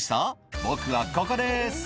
僕はここです」